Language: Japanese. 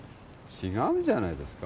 違うんじゃないですか？